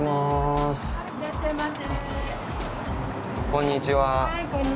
こんにちは。